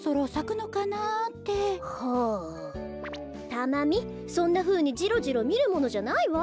タマミそんなふうにジロジロみるものじゃないわ。